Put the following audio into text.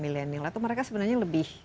milenial atau mereka sebenarnya lebih